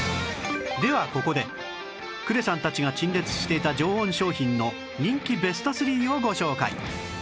ではここで呉さんたちが陳列していた常温商品の人気ベスト３をご紹介